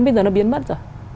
bây giờ nó biến mất rồi